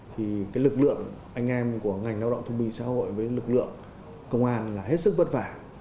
thì cái lực lượng anh em của ngành lao động thương minh xã hội với lực lượng công an là hết sức vất vả